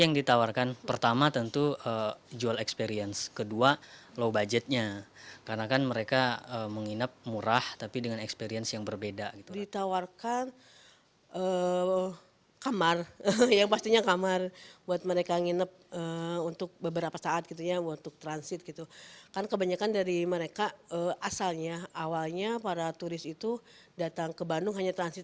yang digunakan secara bersama sama oleh pengunjung